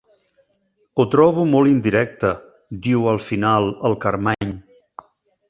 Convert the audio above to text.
Ho trobo molt indirecte —diu al final el Carmany—.